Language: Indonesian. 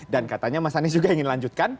dan katanya mas anies juga ingin lanjutkan